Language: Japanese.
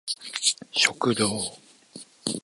食堂